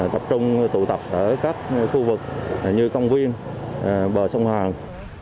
tập trung tụ tập ở các khu vực như công viên bờ sông hàn